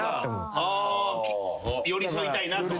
寄り添いたいなと。